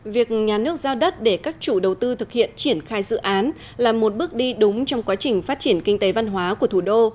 việc nhà nước giao đất để các chủ đầu tư thực hiện triển khai dự án là một bước đi đúng trong quá trình phát triển kinh tế văn hóa của thủ đô